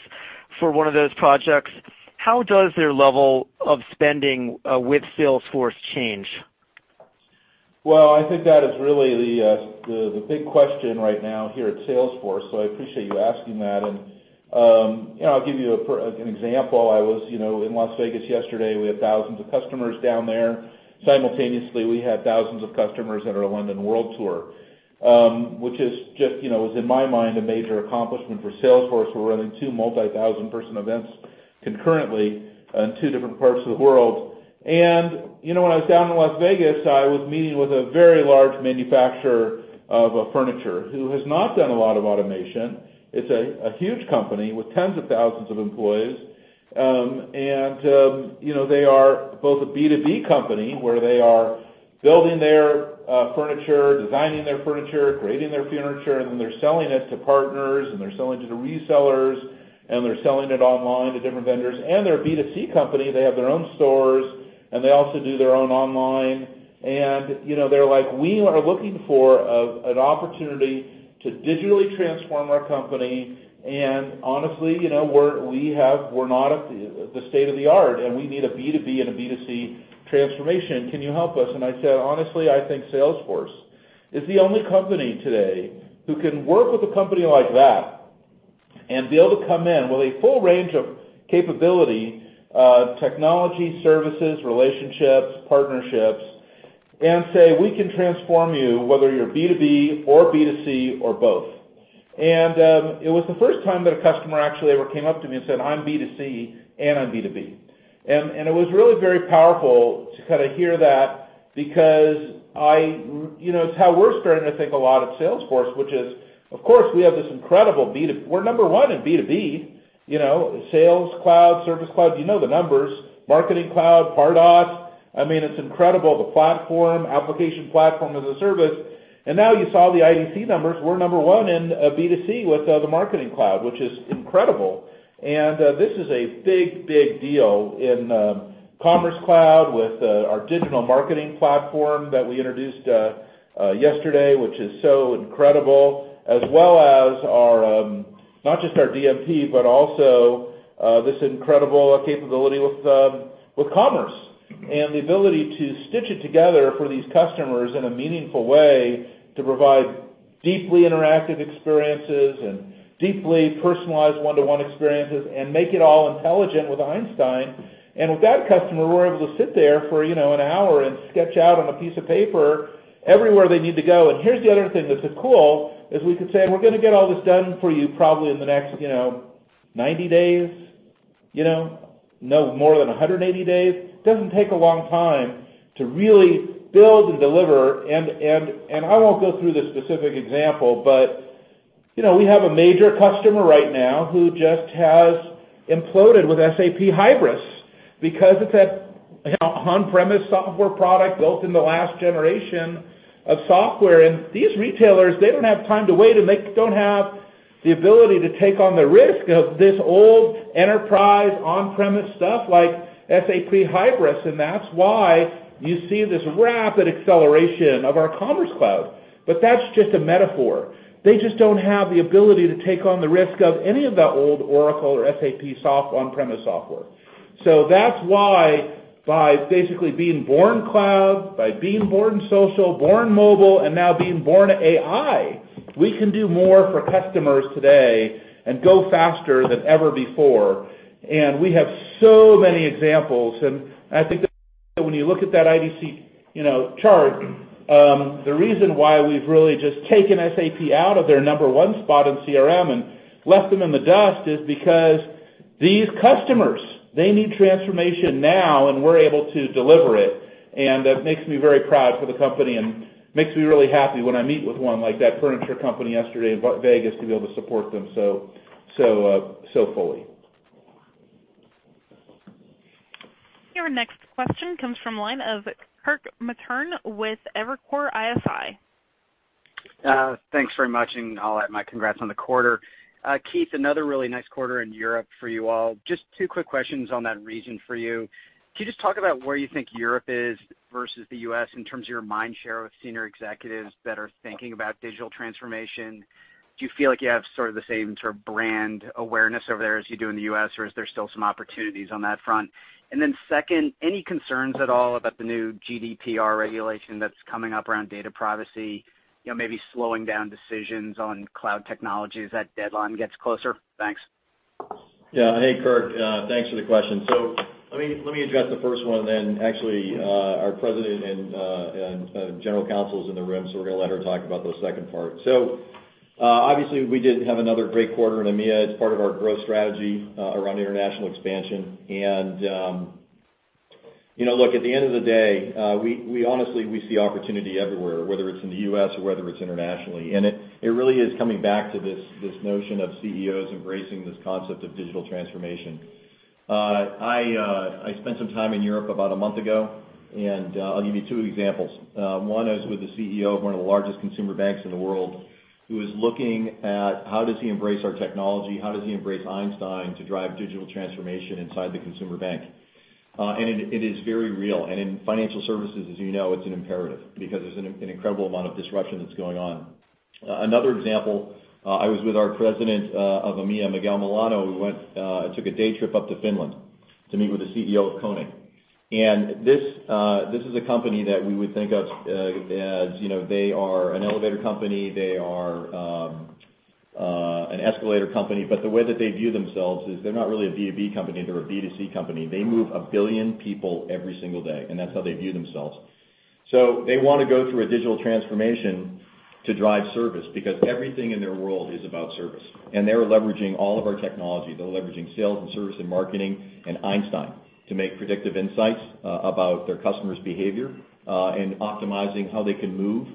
for one of those projects, how does their level of spending with Salesforce change? Well, I think that is really the big question right now here at Salesforce, so I appreciate you asking that. I'll give you an example. I was in Las Vegas yesterday. We had thousands of customers down there. Simultaneously, we had thousands of customers at our London World Tour, which is, in my mind, a major accomplishment for Salesforce. We're running two multi-thousand person events concurrently in two different parts of the world. When I was down in Las Vegas, I was meeting with a very large manufacturer of furniture who has not done a lot of automation. It's a huge company with tens of thousands of employees. They are both a B2B company, where they are building their furniture, designing their furniture, creating their furniture, and then they're selling it to partners, and they're selling it to resellers, and they're selling it online to different vendors. They're a B2C company. They have their own stores, and they also do their own online. They're like, "We are looking for an opportunity to digitally transform our company. Honestly, we're not at the state of the art, and we need a B2B and a B2C transformation. Can you help us?" I said, "Honestly, I think Salesforce is the only company today who can work with a company like that and be able to come in with a full range of capability, technology, services, relationships, partnerships, and say, 'We can transform you whether you're B2B or B2C or both.'" It was the first time that a customer actually ever came up to me and said, "I'm B2C and I'm B2B." It was really very powerful to hear that because it's how we're starting to think a lot at Salesforce, which is, of course, we have this incredible. We're number one in B2B. Sales Cloud, Service Cloud, you know the numbers. Marketing Cloud, Pardot. It's incredible. The platform, application platform as a service. Now you saw the IDC numbers. We're number one in B2C with the Marketing Cloud, which is incredible. This is a big, big deal in Commerce Cloud with our digital marketing platform that we introduced yesterday, which is so incredible. As well as not just our DMP, but also this incredible capability with commerce and the ability to stitch it together for these customers in a meaningful way to provide deeply interactive experiences and deeply personalized one-to-one experiences and make it all intelligent with Einstein. With that customer, we're able to sit there for an hour and sketch out on a piece of paper everywhere they need to go. Here's the other thing that's cool, is we could say, "We're going to get all this done for you probably in the next 90 days, no more than 180 days." Doesn't take a long time to really build and deliver. I won't go through the specific example, but we have a major customer right now who just has imploded with SAP Hybris because it's that on-premise software product built in the last generation of software. These retailers, they don't have time to wait, and they don't have the ability to take on the risk of this old enterprise on-premise stuff like SAP Hybris. That's why you see this rapid acceleration of our Commerce Cloud. That's just a metaphor. They just don't have the ability to take on the risk of any of the old Oracle or SAP on-premise software. That's why by basically being born cloud, by being born social, born mobile, and now being born AI, we can do more for customers today and go faster than ever before. We have so many examples, I think that when you look at that IDC chart, the reason why we've really just taken SAP out of their number one spot in CRM and left them in the dust is because these customers, they need transformation now, and we're able to deliver it. That makes me very proud for the company and makes me really happy when I meet with one like that furniture company yesterday in Vegas, to be able to support them so fully. Your next question comes from the line of Kirk Materne with Evercore ISI. Thanks very much, I'll add my congrats on the quarter. Keith, another really nice quarter in Europe for you all. Just two quick questions on that region for you. Can you just talk about where you think Europe is versus the U.S. in terms of your mind share with senior executives that are thinking about digital transformation? Do you feel like you have sort of the same brand awareness over there as you do in the U.S., or is there still some opportunities on that front? Then second, any concerns at all about the new GDPR regulation that's coming up around data privacy, maybe slowing down decisions on cloud technology as that deadline gets closer? Thanks. Yeah. Hey, Kirk. Thanks for the question. Let me address the first one, then actually, our president and general counsel is in the room, we're going to let her talk about the second part. Obviously, we did have another great quarter in EMEA. It's part of our growth strategy around international expansion. Look, at the end of the day, honestly, we see opportunity everywhere, whether it's in the U.S. or whether it's internationally. It really is coming back to this notion of CEOs embracing this concept of digital transformation. I spent some time in Europe about a month ago, I'll give you two examples. One is with the CEO of one of the largest consumer banks in the world, who is looking at how does he embrace our technology, how does he embrace Einstein to drive digital transformation inside the consumer bank. It is very real. In financial services, as you know, it's an imperative because there's an incredible amount of disruption that's going on. Another example, I was with our President of EMEA, Miguel Milano, who went Took a day trip up to Finland to meet with the CEO of KONE. This is a company that we would think of as, they are an elevator company, they are an escalator company, but the way that they view themselves is they're not really a B2B company, they're a B2C company. They move a billion people every single day, and that's how they view themselves. They want to go through a digital transformation to drive service, because everything in their world is about service. They're leveraging all of our technology. They're leveraging sales and service and marketing and Einstein to make predictive insights about their customers' behavior, and optimizing how they can move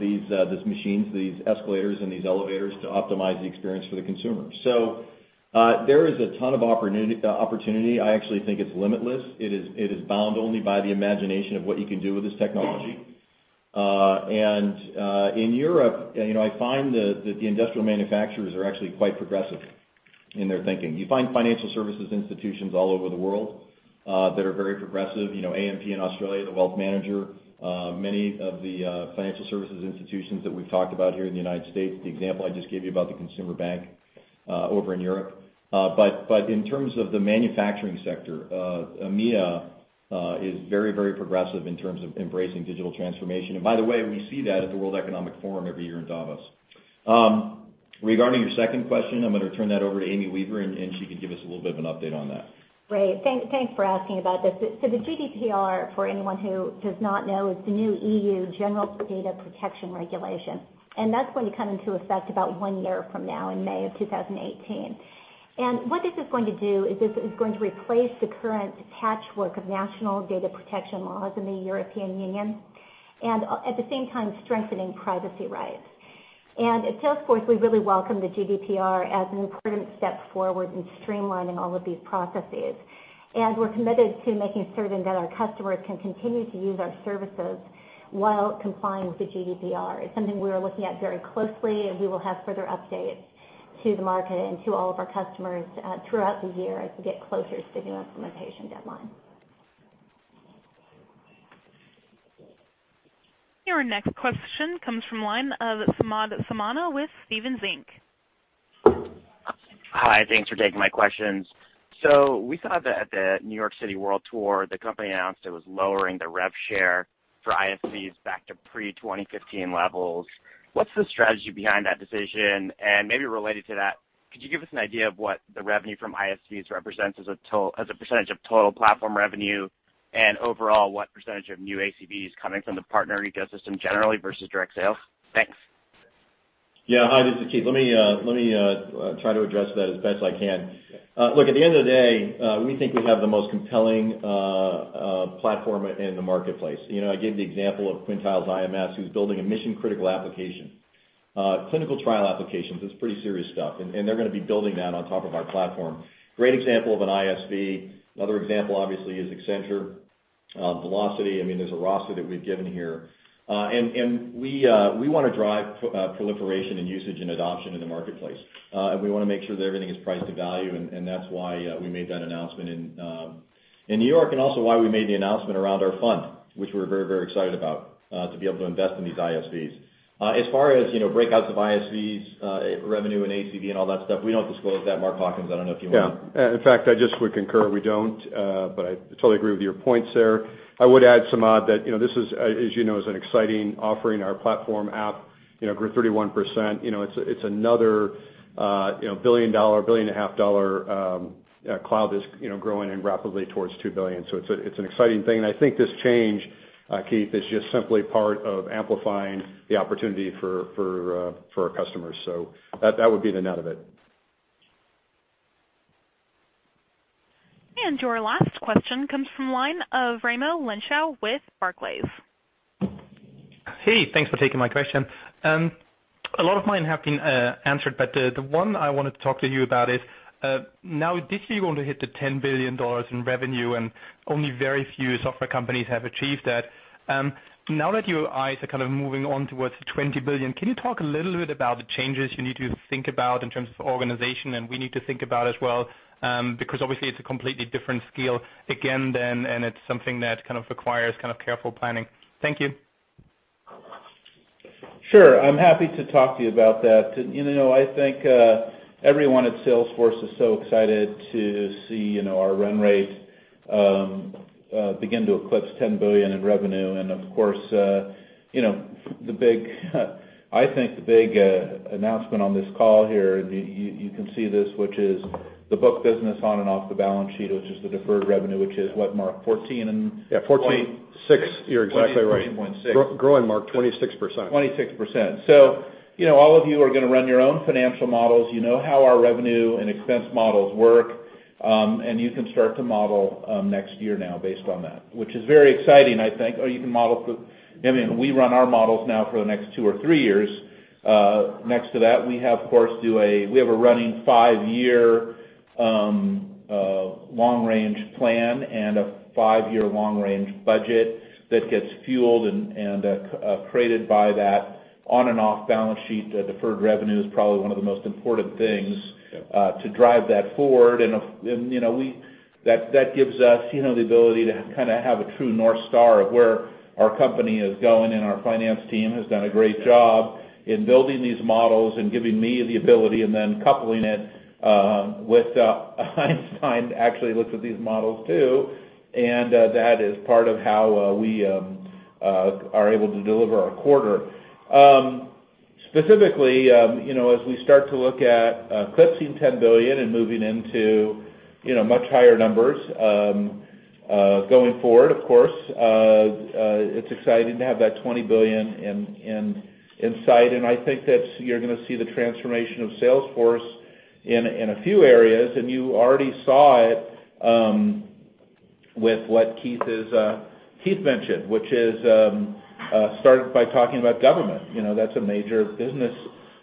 these machines, these escalators, and these elevators to optimize the experience for the consumer. There is a ton of opportunity. I actually think it's limitless. It is bound only by the imagination of what you can do with this technology. In Europe, I find that the industrial manufacturers are actually quite progressive in their thinking. You find financial services institutions all over the world that are very progressive. AMP in Australia, the wealth manager, many of the financial services institutions that we've talked about here in the U.S., the example I just gave you about the consumer bank, over in Europe. In terms of the manufacturing sector, EMEA is very progressive in terms of embracing digital transformation. By the way, we see that at the World Economic Forum every year in Davos. Regarding your second question, I'm going to turn that over to Amy Weaver, and she can give us a little bit of an update on that. Great. Thanks for asking about this. The GDPR, for anyone who does not know, is the new EU General Data Protection Regulation, and that's going to come into effect about one year from now in May of 2018. What this is going to do is this is going to replace the current patchwork of national data protection laws in the European Union, and at the same time strengthening privacy rights. At Salesforce, we really welcome the GDPR as an important step forward in streamlining all of these processes. We're committed to making certain that our customers can continue to use our services while complying with the GDPR. It's something we are looking at very closely, and we will have further updates to the market and to all of our customers throughout the year as we get closer to the implementation deadline. Your next question comes from the line of Samad Samana with Stephens Inc.. Hi, thanks for taking my questions. We saw that at the New York City World Tour, the company announced it was lowering the rev share for ISVs back to pre-2015 levels. What's the strategy behind that decision? Maybe related to that, could you give us an idea of what the revenue from ISVs represents as a percentage of total platform revenue, and overall, what % of new ACV is coming from the partner ecosystem generally versus direct sales? Thanks. Hi, this is Keith. Let me try to address that as best I can. Look, at the end of the day, we think we have the most compelling platform in the marketplace. I gave the example of QuintilesIMS, who's building a mission-critical application. Clinical trial applications, it's pretty serious stuff. They're going to be building that on top of our platform. Great example of an ISV. Another example, obviously, is Accenture, Vlocity. There's a roster that we've given here. We want to drive proliferation and usage and adoption in the marketplace. We want to make sure that everything is priced to value, and that's why we made that announcement in New York, and also why we made the announcement around our fund, which we're very excited about, to be able to invest in these ISVs. As far as, breakouts of ISVs, revenue, and ACV and all that stuff, we don't disclose that. Mark Hawkins, I don't know if you want to. In fact, I just would concur, we don't, but I totally agree with your points there. I would add, Samad, that this is, as you know, is an exciting offering. Our platform app grew 31%. It's another billion-dollar, billion-and-a-half-dollar cloud that's growing and rapidly towards $2 billion. It's an exciting thing, and I think this change, Keith, is just simply part of amplifying the opportunity for our customers. That would be the nut of it. Your last question comes from the line of Raimo Lenschow with Barclays. Hey, thanks for taking my question. A lot of mine have been answered, but the one I wanted to talk to you about is, now this year you want to hit the $10 billion in revenue, and only very few software companies have achieved that. Now that your eyes are kind of moving on towards $20 billion, can you talk a little bit about the changes you need to think about in terms of organization and we need to think about as well? Obviously it's a completely different scale again then, and it's something that kind of requires careful planning. Thank you. Sure. I'm happy to talk to you about that. I think everyone at Salesforce is so excited to see our run rate begin to eclipse $10 billion in revenue. Of course, I think the big announcement on this call here, and you can see this, which is the book business on and off the balance sheet, which is the deferred revenue, which is what, Mark, 14 and- Yeah, $14.6. You're exactly right. 0.6. 14.6. Growing, Mark, 26%. 26%. All of you are going to run your own financial models. You know how our revenue and expense models work, and you can start to model next year now based on that, which is very exciting, I think. Or you can model. We run our models now for the next two or three years. Next to that, we have a running five-year long-range plan and a five-year long-range budget that gets fueled and created by that on and off balance sheet. Deferred revenue is probably one of the most important things. Yep to drive that forward. we That gives us the ability to have a true North Star of where our company is going, and our finance team has done a great job in building these models and giving me the ability, and then coupling it with Einstein actually looks at these models too, and that is part of how we are able to deliver our quarter. Specifically, as we start to look at eclipsing $10 billion and moving into much higher numbers going forward, of course, it's exciting to have that $20 billion in sight. I think that you're going to see the transformation of Salesforce in a few areas, and you already saw it with what Keith mentioned, which started by talking about government. That's a major business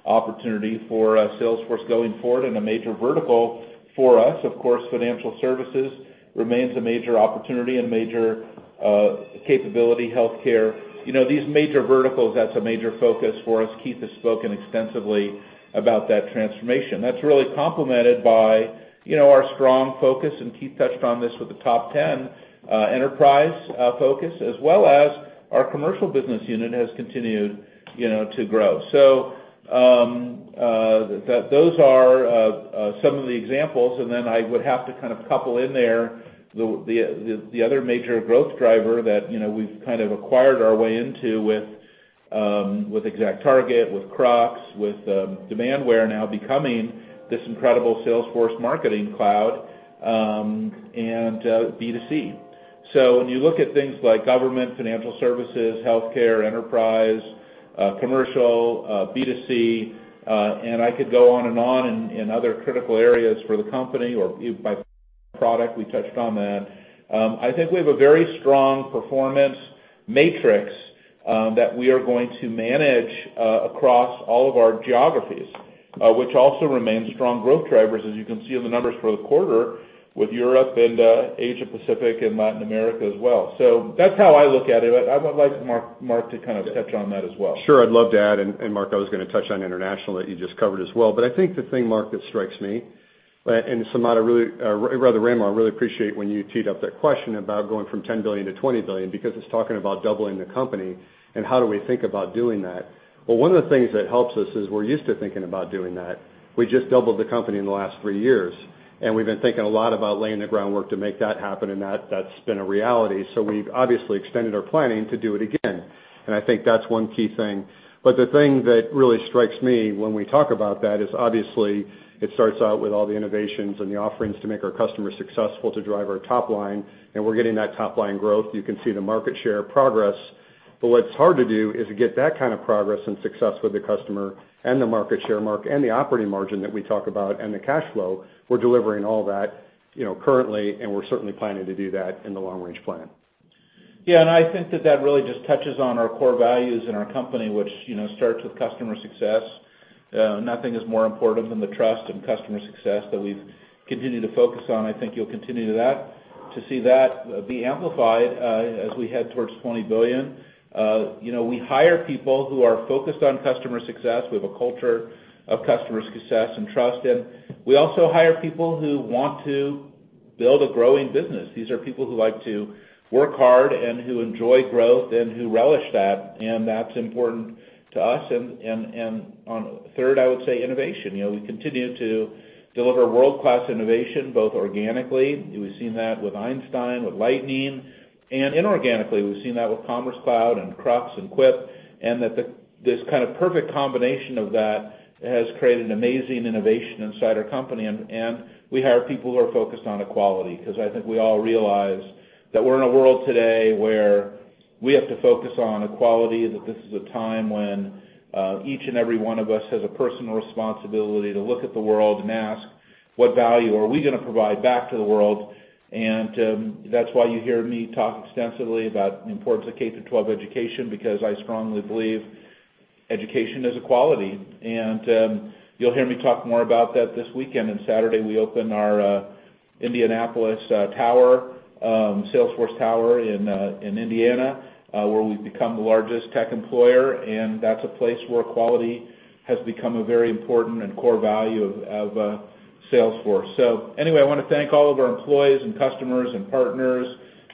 opportunity for Salesforce going forward and a major vertical for us. Of course, financial services remains a major opportunity and major capability. Healthcare. These major verticals, that's a major focus for us. Keith has spoken extensively about that transformation. That's really complemented by our strong focus, and Keith touched on this with the top 10 enterprise focus, as well as our commercial business unit has continued to grow. Those are some of the examples, and then I would have to couple in there the other major growth driver that we've acquired our way into with ExactTarget, with Krux, with Demandware now becoming this incredible Salesforce Marketing Cloud and B2C. When you look at things like government, financial services, healthcare, enterprise, commercial, B2C, and I could go on and on in other critical areas for the company or by product, we touched on that. I think we have a very strong performance matrix that we are going to manage across all of our geographies, which also remains strong growth drivers, as you can see in the numbers for the quarter with Europe and Asia-Pacific and Latin America as well. That's how I look at it. I would like Mark to touch on that as well. Sure. I'd love to add, and Mark, I was going to touch on international that you just covered as well. I think the thing, Mark, that strikes me, and Samad, rather Raimo, I really appreciate when you teed up that question about going from $10 billion to $20 billion because it's talking about doubling the company, and how do we think about doing that? Well, one of the things that helps us is we're used to thinking about doing that. We just doubled the company in the last three years, and we've been thinking a lot about laying the groundwork to make that happen, and that's been a reality. We've obviously extended our planning to do it again, and I think that's one key thing. The thing that really strikes me when we talk about that is obviously, it starts out with all the innovations and the offerings to make our customers successful, to drive our top-line, and we're getting that top-line growth. You can see the market share progress. What's hard to do is to get that kind of progress and success with the customer and the market share, Mark, and the operating margin that we talk about and the cash flow. We're delivering all that currently, and we're certainly planning to do that in the long-range plan. I think that that really just touches on our core values in our company, which starts with customer success. Nothing is more important than the trust and customer success that we've continued to focus on. I think you'll continue to see that be amplified as we head towards $20 billion. We hire people who are focused on customer success. We have a culture of customer success and trust, we also hire people who want to build a growing business. These are people who like to work hard and who enjoy growth and who relish that, and that's important to us. Third, I would say innovation. We continue to deliver world-class innovation, both organically, we've seen that with Einstein, with Lightning, and inorganically, we've seen that with Commerce Cloud and Krux and Quip, that this perfect combination of that has created an amazing innovation inside our company. We hire people who are focused on equality because I think we all realize that we're in a world today where we have to focus on equality, that this is a time when each and every one of us has a personal responsibility to look at the world and ask what value are we going to provide back to the world. That's why you hear me talk extensively about the importance of K-12 education, because I strongly believe education is equality, you'll hear me talk more about that this weekend, Saturday, we open our Indianapolis tower, Salesforce Tower in Indiana, where we've become the largest tech employer, that's a place where equality has become a very important and core value of Salesforce. Anyway, I want to thank all of our employees and customers and partners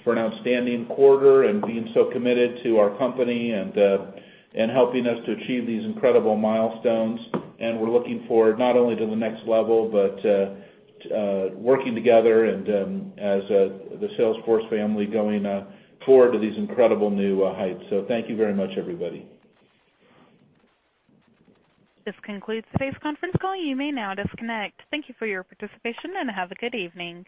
for an outstanding quarter and being so committed to our company and helping us to achieve these incredible milestones. We're looking forward, not only to the next level, but working together and as the Salesforce family going forward to these incredible new heights. Thank you very much, everybody. This concludes today's conference call. You may now disconnect. Thank you for your participation, and have a good evening